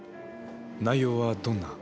内容はどんな？